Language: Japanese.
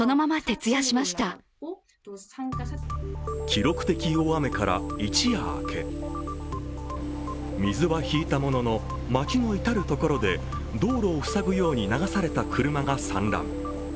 記録的大雨から一夜明け水は引いたものの、街の至る所で道路を塞ぐように流された車が散乱。